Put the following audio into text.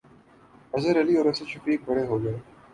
اظہر علی اور اسد شفیق 'بڑے' ہو گئے